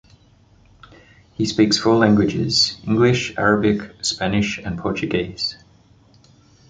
He speaks four languages: English, Arabic, Spanish and Portuguese.